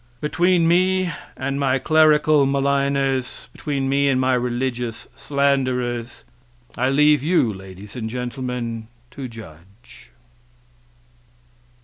Between me and my clerical maligners, between me and my religious slanderers, I leave you, ladies and gentlemen, to judge.